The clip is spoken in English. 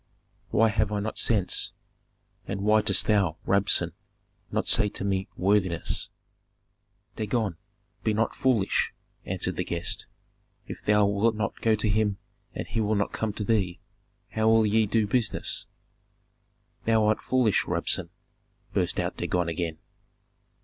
"Why have I not sense, and why dost thou, Rabsun, not say to me worthiness?" "Dagon, be not foolish!" answered the guest. "If thou wilt not go to him and he will not come to thee, how will ye do business?" "Thou art foolish, Rabsun!" burst out Dagon again.